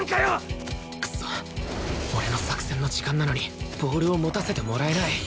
クソッ俺の作戦の時間なのにボールを持たせてもらえない！